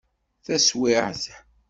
Taswiɛt.